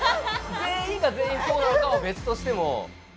全員が全員そうなのかは別としても。